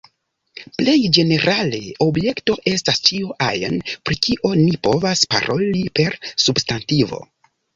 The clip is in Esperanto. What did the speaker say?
Plej ĝenerale, objekto estas ĉio ajn, pri kio ni povas paroli per substantivo.